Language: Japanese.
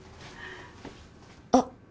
あっ！